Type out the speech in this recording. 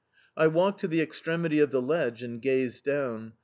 I walked to the extremity of the ledge and gazed down.